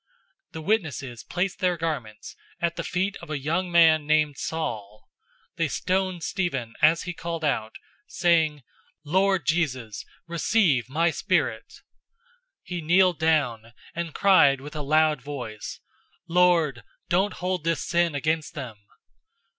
The witnesses placed their garments at the feet of a young man named Saul. 007:059 They stoned Stephen as he called out, saying, "Lord Jesus, receive my spirit!" 007:060 He kneeled down, and cried with a loud voice, "Lord, don't hold this sin against them!"